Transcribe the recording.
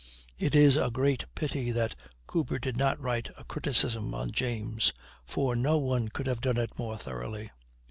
It is a great pity that Cooper did not write a criticism on James, for no one could have done it more thoroughly.